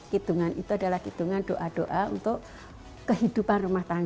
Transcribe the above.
kitungan itu adalah kitungan doa doa untuk kehidupan rumah tangga